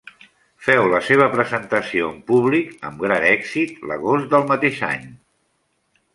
Féu la seva presentació en públic, amb gran èxit, l'agost del mateix any.